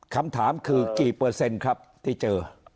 คำถามคือกี่เปอร์เซ็นต์ครับที่เจอ